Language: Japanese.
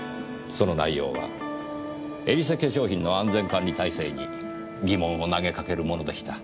その内容はエリセ化粧品の安全管理体制に疑問を投げかけるものでした。